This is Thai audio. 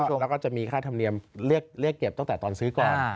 แล้วก็จะมีค่าธรรมเนียมเรียกเก็บตั้งแต่ตอนซื้อก่อน